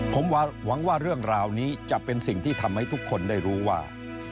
ผมหวังว่าเรื่องราวนี้จะเป็นสิ่งที่ทำให้ทุกคนได้รู้ว่า